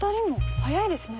早いですね。